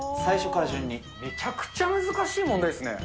めちゃくちゃ難しい問題ですね。